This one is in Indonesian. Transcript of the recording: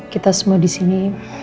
kita semua disini